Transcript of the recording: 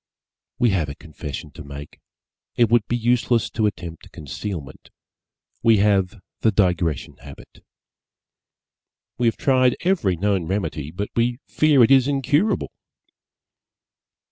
We have a confession to make it would be useless to attempt concealment we have the Digression habit. We have tried every known remedy but we fear it is incurable.